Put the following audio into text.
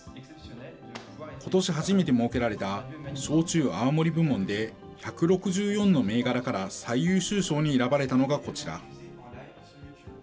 ことし初めて設けられた焼酎・泡盛部門で、１６４の銘柄から最優秀賞に選ばれたのがこちら。